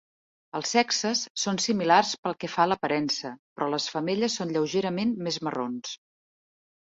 Els sexes són similars pel que fa a l'aparença però les femelles són lleugerament més marrons.